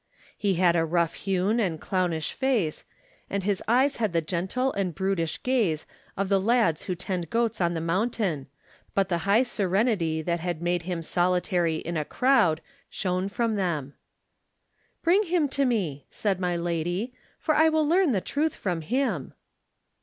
He had a rough hewn and clown ish face, and his eyes had the gentle and brutish gaze of the lads who tend goats on the mountain, but the high serenity that had made him solitary in a crowd shone from them. "Bring him to me," said my lady, "for I will learn the truth from him."